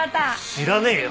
知らねえよ！